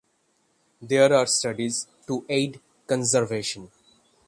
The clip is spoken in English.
There are studies to aid conservation.